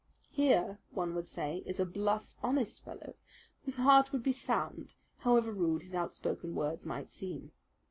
Here, one would say, is a bluff, honest fellow, whose heart would be sound however rude his outspoken words might seem.